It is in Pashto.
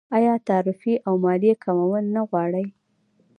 آیا تعرفې او مالیې کمول نه غواړي؟